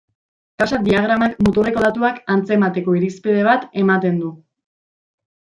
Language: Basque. Kaxa-diagramak muturreko datuak antzemateko irizpide bat ematen du.